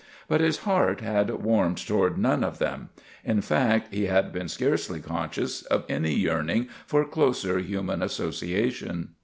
But his heart had warmed toward none of them; in fact, he had been scarcely conscious of any yearning for closer human association.